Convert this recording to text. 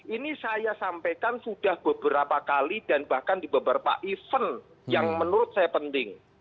ini saya sampaikan sudah beberapa kali dan bahkan di beberapa event yang menurut saya penting